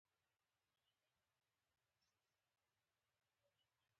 جالبه داده چې دغه ډلې له سیاسي امکاناتو ګټه اخلي